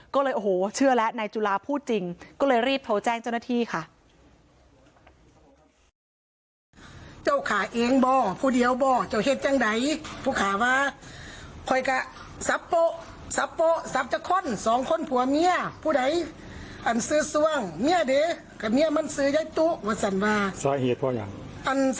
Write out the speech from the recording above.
ก็เลยโอ้โหเชื่อแล้วนายจุลาพูดจริงก็เลยรีบโทรแจ้งเจ้าหน้าที่ค่ะ